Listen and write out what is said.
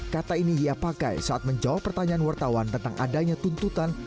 kata ini ia pakai saat menjawab pertanyaan wartawan tentang adanya tuntutan